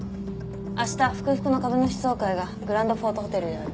明日福々の株主総会がグランドフォードホテルである。